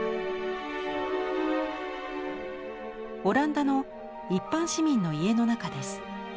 オランダの一般市民の家の中です。